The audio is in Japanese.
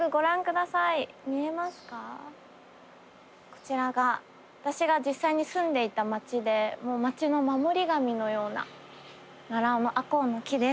こちらが私が実際に住んでいた町で町の守り神のような奈良尾のアコウの木です。